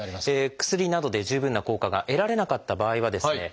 薬などで十分な効果が得られなかった場合はですね